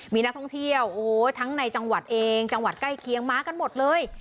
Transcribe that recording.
มีนักท่องเที่ยวโอ้โหทั้งในจังหวัดเองจังหวัดใกล้เคียงมากันหมดเลย